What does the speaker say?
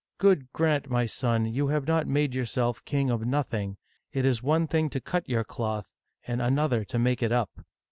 God granf, my son, you have not made yourself king of nothing. It is one thing to cut your cloth, and another to make it up